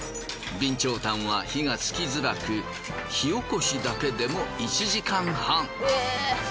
備長炭は火がつきづらく火おこしだけでも１時間半。